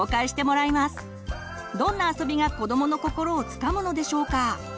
どんなあそびが子どもの心をつかむのでしょうか？